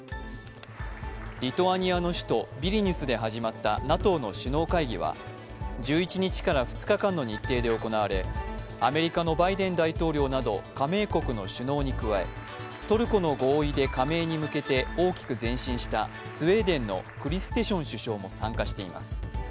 リトアニアの首都・ビリュニスで始まったＮＡＴＯの首脳会議は１１日から２日間の日程で行われ、アメリカのバイデン大統領など加盟国の首脳に加えトルコの合意で加盟に向けて大きく前進したスウェーデンのクリステション首相も参加しました。